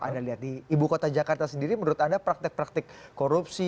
anda lihat di ibu kota jakarta sendiri menurut anda praktek praktik korupsi